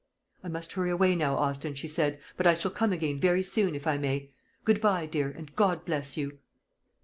"I must hurry away now, Austin," she said; "but I shall come again very soon, if I may. Good bye, dear, and God bless you."